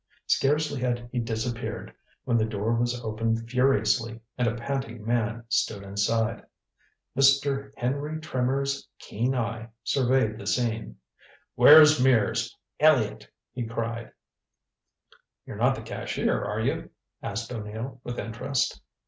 Scarcely had he disappeared when the door was opened furiously and a panting man stood inside. Mr. Henry Trimmer's keen eye surveyed the scene. "Where's Mears Elliott?" he cried. "You're not the cashier, are you?" asked O'Neill with interest.